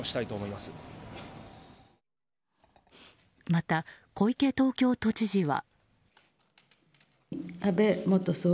また、小池東京都知事は。